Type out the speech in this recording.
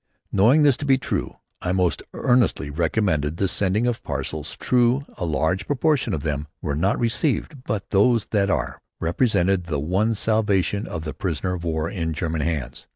Knowing this to be true, I most earnestly recommend the sending of parcels. True, a large proportion of them are not received, but those that are represent the one salvation of the prisoner of war in German hands.